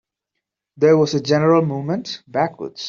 There was a general movement backwards.